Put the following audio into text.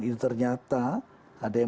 itu ternyata ada yang